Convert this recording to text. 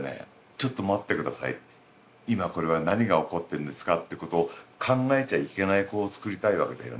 「ちょっと待って下さい」って「今これは何が起こってんですか？」ってことを考えちゃいけない子をつくりたいわけだよね。